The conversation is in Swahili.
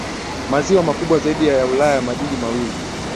maziwa makubwa zaidi ya Ulaya Majiji mawili